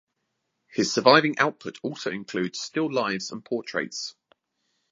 His surviving output also includes still lifes and portraits.